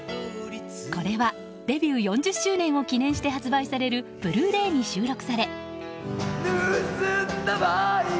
これは、デビュー４０周年を記念して発売されるブルーレイに収録され。